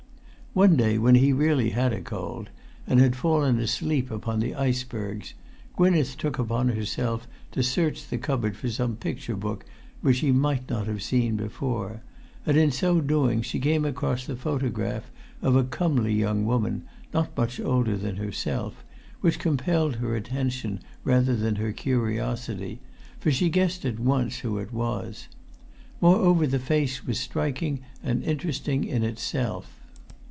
One day, when he really had a cold, and had fallen asleep upon the icebergs, Gwynneth took upon herself to search the cupboard for some picture book[Pg 257] which he might not have seen before; and in so doing she came across the photograph of a comely young woman, not much older than herself, which compelled her attention rather than her curiosity, for she guessed at once who it was. Moreover, the face was striking and interesting in itself.